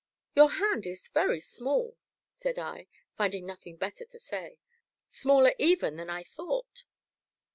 "Your hand is very small," said I, finding nothing better to say, "smaller even than I thought."